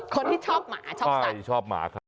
คนที่ชอบหมาชอบสัตว์